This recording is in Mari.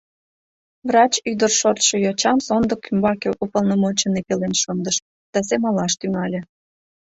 Врач ӱдыр шортшо йочам сондык ӱмбаке уполномоченный пелен шындыш да семалаш тӱҥале.